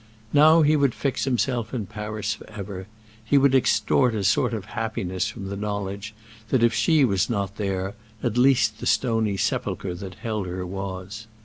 Now he would fix himself in Paris forever; he would extort a sort of happiness from the knowledge that if she was not there, at least the stony sepulchre that held her was.